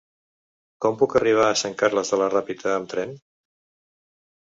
Com puc arribar a Sant Carles de la Ràpita amb tren?